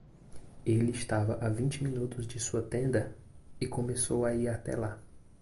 Ele estava a vinte minutos de sua tenda? e começou a ir até lá.